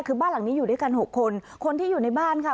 คือบ้านหลังนี้อยู่ด้วยกันหกคนคนที่อยู่ในบ้านค่ะ